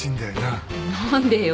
何でよ？